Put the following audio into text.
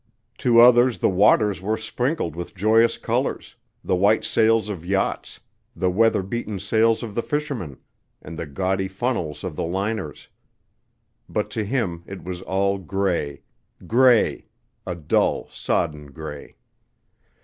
To others the waters were sprinkled with joyous colors the white sails of yachts, the weather beaten sails of the fishermen, and the gaudy funnels of the liners. But to him it was all gray, gray a dull, sodden gray.